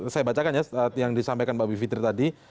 saya bacakan ya yang disampaikan mbak bivitri tadi